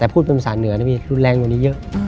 รุนแรงกว่านี้เยอะ